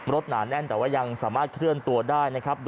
หนาแน่นแต่ว่ายังสามารถเคลื่อนตัวได้นะครับ